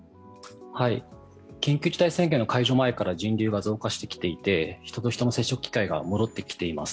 緊急事態宣言の解除前から人流が増加してきていて人と人の接触機会が戻ってきています。